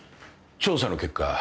調査の結果